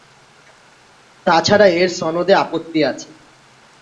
তাছাড়া এর সনদে আপত্তি আছে।